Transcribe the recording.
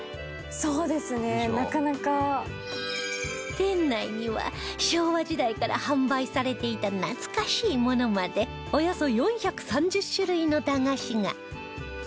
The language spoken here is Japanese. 店内には昭和時代から販売されていた懐かしいものまでおよそ４３０種類の駄菓子が